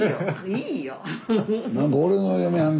いいよ！